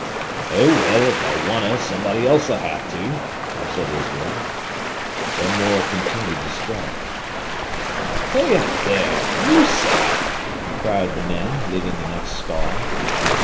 "Oh, well, if tha wunna, somebody else'll ha'e to," said Israel. Then Morel continued to strike. "Hey up there—loose a'!" cried the men, leaving the next stall.